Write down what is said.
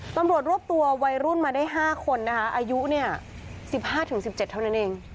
ตำรวจรวบตัววัยรุ่นมาได้๕คนนะคะอายุเนี่ย๑๕๑๗เท่านั้นเอง